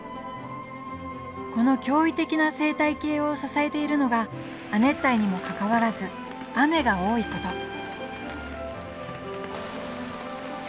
この驚異的な生態系を支えているのが亜熱帯にもかかわらず雨が多いこと